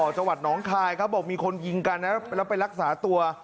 จังหวัดหนองคายเขาบอกมีคนยิงกันนะแล้วไปรักษาตัว